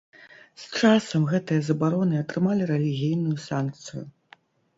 З часам гэтыя забароны атрымалі рэлігійную санкцыю.